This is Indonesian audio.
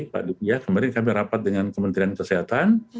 pak dukia kemarin kami rapat dengan kementerian kesehatan